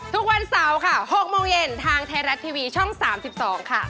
ทุกวันเสาร์ค่ะ๖โมงเย็นทางไทยรัฐทีวีช่อง๓๒ค่ะ